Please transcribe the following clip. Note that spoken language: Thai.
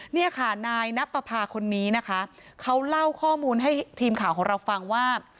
เนี่ยค่ะนายนับประพาคนนี้นะคะเขาเล่าข้อมูลให้ทีมข่าวของเราฟังว่า